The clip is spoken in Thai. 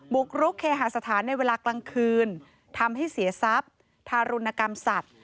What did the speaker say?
บุกรุกเคหาสถานในเวลากลางคืนทำให้เสียทรัพย์ทารุณกรรมสัตว์